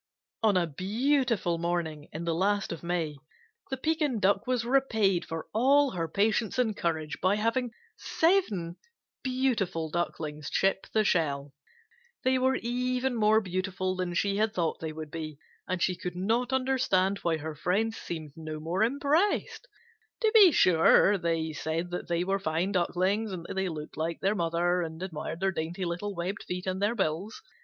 On a beautiful morning in the last of May, the Pekin Duck was repaid for all her patience and courage by having seven beautiful Ducklings chip the shell. They were even more beautiful than she had thought they would be, and she could not understand why her friends seemed no more impressed. To be sure they said that they were fine Ducklings and that they looked like their mother, and admired their dainty little webbed feet and their bills.